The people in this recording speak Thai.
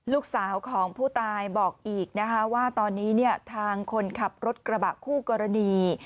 ลูกสาวของผู้ตายบอกอีกนะคะว่าตอนนี้เนี่ยทางคนขับรถกระบะคู่กรณี